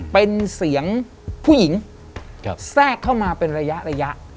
เป็นเสียงผู้หญิงแทรกเข้ามาเป็นระยะ